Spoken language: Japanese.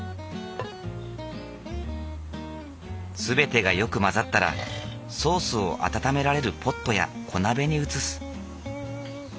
全てがよく混ざったらソースを温められるポットや小鍋に移す。